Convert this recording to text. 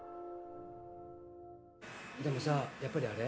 でもさやっぱりあれ？